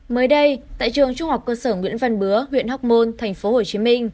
mới đây tại trường trung học cơ sở nguyễn văn bứa huyện hóc môn tp hcm